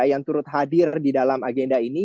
yang turut hadir di dalam agenda ini